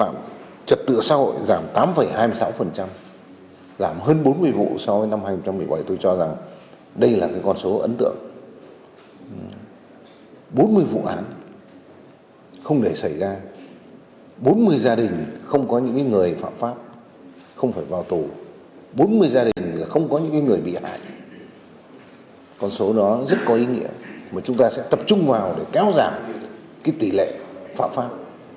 nếu gia đình không có những người bị hại con số đó rất có ý nghĩa mà chúng ta sẽ tập trung vào để cao giảm tỷ lệ phạm pháp